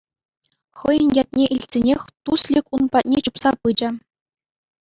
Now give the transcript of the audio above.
Хӑйӗн ятне илтсенех Туслик ун патне чупса пычӗ.